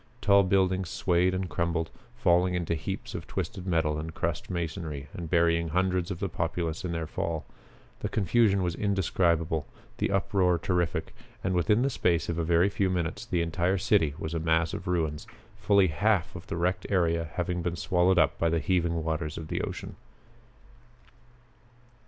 Tall buildings swayed and crumbled, falling into heaps of twisted metal and crushed masonry and burying hundreds of the populace in their fall. The confusion was indescribable, the uproar terrific, and within the space of a very few minutes the entire city was a mass of ruins, fully half of the wrecked area having been swallowed up by the heaving waters of the ocean.